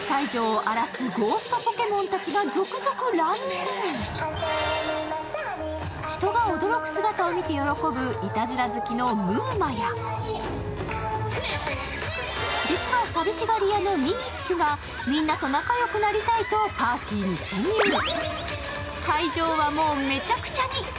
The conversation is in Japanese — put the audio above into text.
すると、そこに人が驚く姿を見て喜ぶいたずら好きのムウマや実はさみしがりやのミミッキュがみんなと仲良くなりたいとパーティーに潜入、会場はもう、めちゃくちゃに！